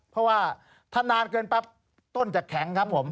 เพราะว่าถ้านานเกินปั๊บต้นจะแข็งครับผม